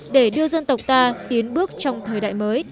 để đưa dân tộc ta tiến bước trong thời đại mới